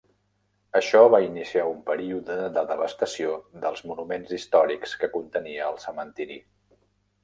Això va iniciar un període de devastació dels monuments històrics que contenia el cementiri.